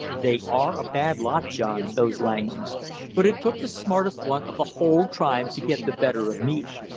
"They are a bad lot, John, those Langhams, but it took the smartest one of the whole tribe to get the better of me.